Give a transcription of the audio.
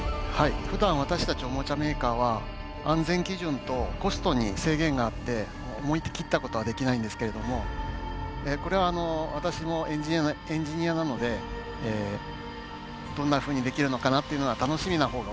ふだん私たちおもちゃメーカーは安全基準とコストに制限があって思い切ったことはできないんですけれどもこれは私もエンジニアなのでどんなふうにできるのかなっていうのは楽しみなほうが大きいです。